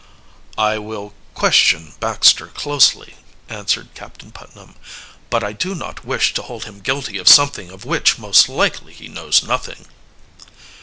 "I will question Baxter closely," answered Captain Putnam. "But I do not wish to hold him guilty of something of which most likely he knows nothing."